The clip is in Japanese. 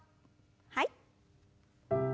はい。